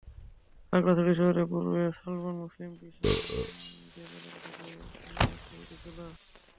খাগড়াছড়ি শহরের পূর্ব শালবন মুসলিম পিসি গ্যাব এলাকা থেকে শনিবার ছবিটি তোলা।